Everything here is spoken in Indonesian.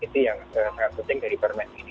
itu yang sangat penting dari permen ini